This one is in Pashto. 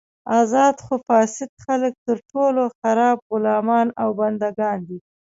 ازاد خو فاسد خلک تر ټولو خراب غلامان او بندګان دي.